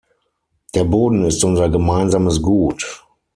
Der Boden ist unser gemeinsames Gut.